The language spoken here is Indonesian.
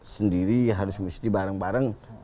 sendiri harus mesti bareng bareng